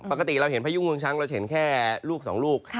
ปกติเราเห็นพยุ่งงวงช้างเราเห็นแค่ลูกสองลูก